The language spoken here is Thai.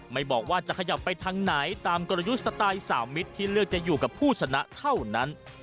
บอกว่าจะขยับไปทางไหนตามกลยุทธ์สไตล์๓มิตรที่เลือกจะอยู่กับผู้ชนะเท่านั้น